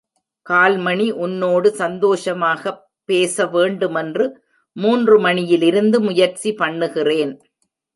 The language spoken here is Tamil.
கால் மணி உன்னோடு சந்தோஷமாக பேச வேண்டுமென்று மூன்று மணியிலிருந்து முயற்சி பண்ணுகிறேன்.